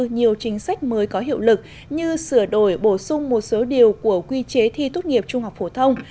nhiều chính sách mới có hiệu lực như sửa đổi bổ sung một số điều của quy chế thi tốt nghiệp trung học phổ thông